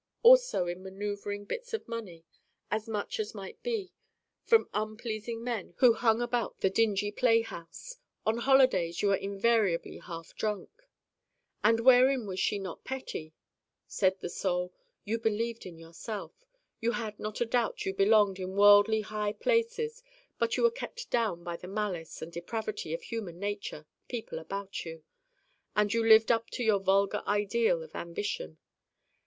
Also in maneuvering bits of money as much as might be from unpleasing men who hung about the dingy play house. On holidays you were invariably half drunk.' Said I: 'And wherein was she not petty?' Said the Soul: 'You believed in yourself. You had not a doubt you belonged in worldly high places but were kept down by the malice and depravity of human nature, people about you. And you lived up to your vulgar ideal of ambition.